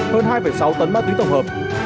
hơn hai sáu tấn ma túy tổng hợp